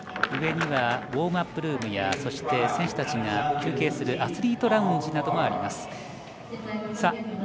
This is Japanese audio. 上にはウォームアップルームやそして、選手たちが休憩するアスリートラウンジなどもあります。